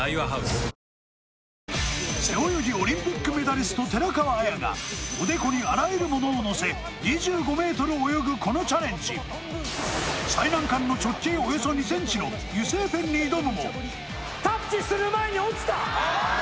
背泳ぎオリンピックメダリスト寺川綾がおでこにあらゆるものをのせ２５ｍ泳ぐこのチャレンジに挑むもタッチする前に落ちた！